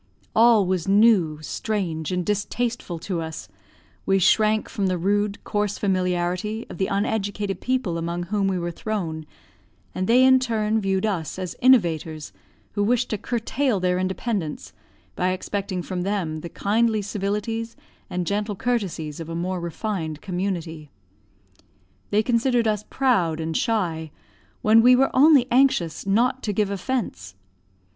All was new, strange, and distasteful to us; we shrank from the rude, coarse familiarity of the uneducated people among whom we were thrown; and they in return viewed us as innovators, who wished to curtail their independence, by expecting from them the kindly civilities and gentle courtesies of a more refined community. They considered us proud and shy, when we were only anxious not to give offense.